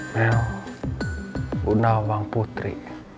mel bunawang putri